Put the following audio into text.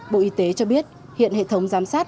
bộ y tế cho biết hiện hệ thống giám sát